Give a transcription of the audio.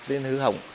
và bị hư hỏng